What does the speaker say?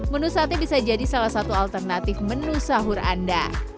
menu sate bisa jadi salah satu alternatif menu sahur anda